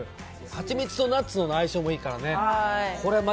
はちみつとナッツの相性もいいからね。